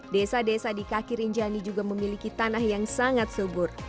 desa desa di kaki rinjani juga memiliki tanah yang sangat subur